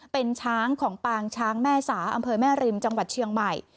เป็นช้างของปางช้างแม่สาอำเภอแม่ริมจังหวัดเชียงใหม่